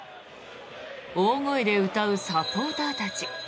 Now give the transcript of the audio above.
大声で歌うサポーターたち。